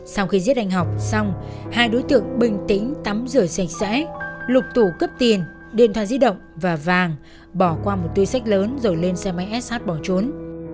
sau khi giết anh học xong hai đối tượng bình tĩnh tắm rửa sạch sẽ lục tủ cướp tiền điện thoại di động và vàng bỏ qua một tuy sách lớn rồi lên xe máy sh bỏ trốn